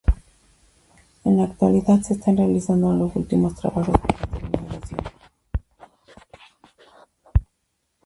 En la actualidad se están realizando los últimos trabajos para su inauguración.